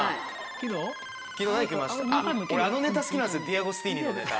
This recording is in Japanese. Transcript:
俺あのネタ好きなんすよデアゴスティーニのネタ。